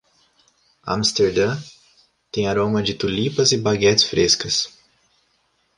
Amsterdã tem aroma de tulipas e baguetes frescas